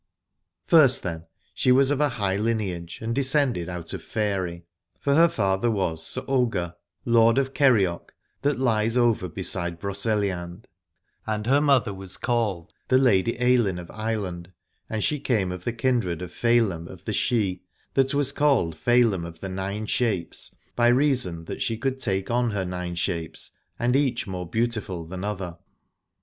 First then, she was of a high lineage and descended out of faery : for her father was Sir SB Alad ore Ogier, Lord of Kerioc, that lies over beside Broceliande, and her mother was called the Lady Ailinn of Ireland, and she came of the kindred of Fedelm of the Sidhe, that was called Fedelm of the Nine Shapes, by reason that she could take on her nine shapes, and each more beautiful than other.